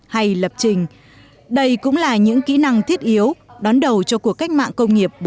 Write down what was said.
hay lập trình đây cũng là những kỹ năng thiết yếu đón đầu cho cuộc cách mạng công nghiệp bốn